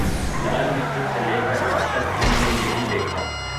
لال مسجد سے لے کر اب تک ہم نے یہی دیکھا۔